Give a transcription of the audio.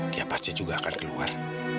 dia pasti juga akan keluar